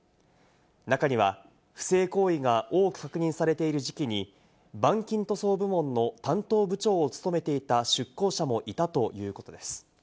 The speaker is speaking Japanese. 中には不正行為が多く確認されている時期に板金塗装部門の担当部長を務めていた出向者もいたということです。